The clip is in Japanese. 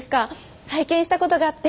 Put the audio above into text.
拝見したことがあって。